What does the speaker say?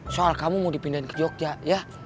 soal kamu mau dipindahin ke jogja ya